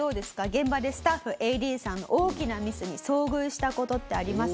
現場でスタッフＡＤさんの大きなミスに遭遇した事ってあります？